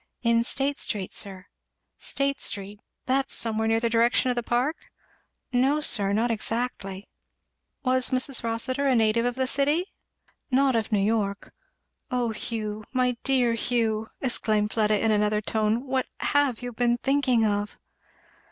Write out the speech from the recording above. "In State street, sir." "State street, that is somewhere in the direction of the Park?" "No, sir, not exactly." "Was Mrs. Rossitur a native of the city?" "Not of New York. O Hugh, my dear Hugh," exclaimed Fleda in another tone, "what have you been thinking of?"